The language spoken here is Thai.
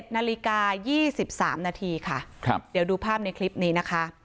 ๑นาฬิกา๒๓นาทีค่ะเดี๋ยวดูภาพในคลิปนี้นะคะ